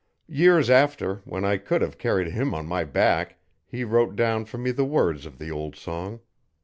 Years after, when I could have carried him on my back' he wrote down for me the words of the old song.